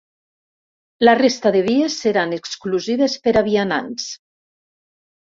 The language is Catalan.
La resta de vies seran exclusives per a vianants.